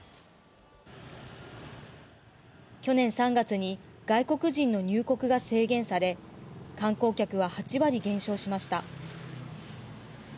去年３月に外国人の入国が制限され、観光客は８割減少しました。